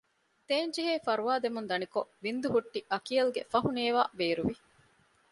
ދޭންޖެހޭ ފަރުވާދެމުން ދަނިކޮށް ވިންދުހުއްޓި އަކިޔަލްގެ ފަހުނޭވާ ބޭރުވި